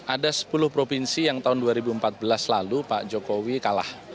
ada sepuluh provinsi yang tahun dua ribu empat belas lalu pak jokowi kalah